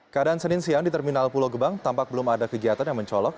keadaan senin siang di terminal pulau gebang tampak belum ada kegiatan yang mencolok